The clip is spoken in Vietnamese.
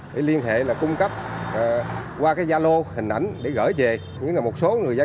để liên hệ là cung cấp qua cái gia lô hình ảnh để gửi về